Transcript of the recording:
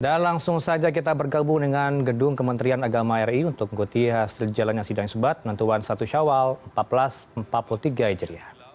dan langsung saja kita bergabung dengan gedung kementerian agama ri untuk mengikuti hasil jalannya sidang sebat nantuan satu syawal seribu empat ratus empat puluh tiga ejriah